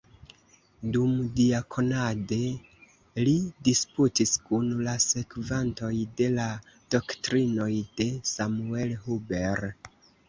Dumdiakonade li disputis kun la sekvantoj de la doktrinoj de Samuel Huber.